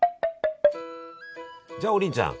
じゃあ王林ちゃん